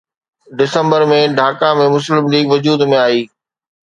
ڊسمبر ۾ ڍاڪا ۾ مسلم ليگ وجود ۾ آئي